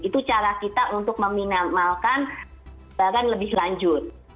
itu cara kita untuk meminalmalkan barang lebih lanjut